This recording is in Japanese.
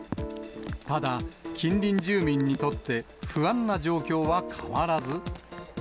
ただ、近隣住民にとって不安な状況は変わらず。